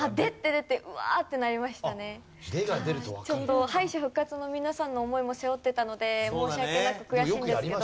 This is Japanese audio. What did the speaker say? ちょっと敗者復活の皆さんの思いも背負ってたので申し訳なく悔しいんですけど。